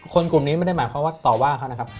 กลุ่มนี้ไม่ได้หมายความว่าต่อว่าเขานะครับ